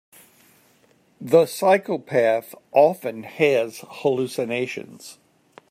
The psychopath often has hallucinations.